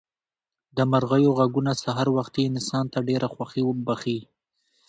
د مرغیو غږونه سهار وختي انسان ته ډېره خوښي بښي.